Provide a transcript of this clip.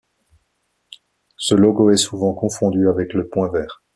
Ce logo est souvent confondu avec le Point vert.